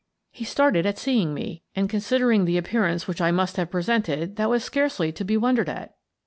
He started at seeing me and, considering the ap pearance which I must have presented, that was scarcely to be wondered at.